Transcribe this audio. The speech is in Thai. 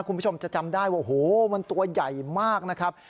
คุณผู้ชมจะจำได้ว่าโอ้โหมันตัวใหญ่มากนะครับ